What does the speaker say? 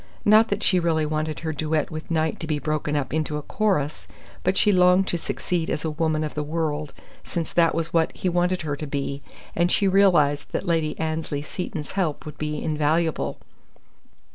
Not that she really wanted her duet with Knight to be broken up into a chorus, but she longed to succeed as a woman of the world, since that was what he wanted her to be; and she realized that Lady Annesley Seton's help would be invaluable.